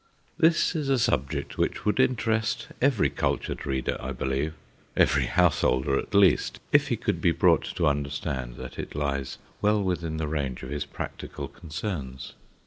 This is a subject which would interest every cultured reader, I believe, every householder at least, if he could be brought to understand that it lies well within the range of his practical concerns.